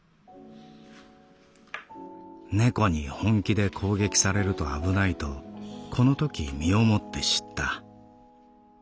猫に本気で攻撃されると危ないとこのとき身をもって知った。